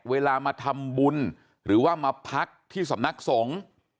เวลามาทำบุญหรือว่ามาพักที่สำนักสงฆ์